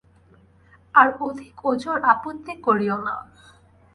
আর অধিক ওজর আপত্তি করিয়ো না।